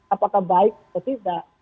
apakah baik atau tidak